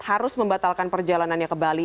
harus membatalkan perjalanannya ke bali